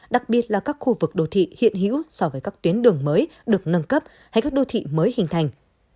đặc biệt là các khu vực đô thị hiện hữu so với các tuyến đường mới được nâng cấp hay các đô thị mới hình thành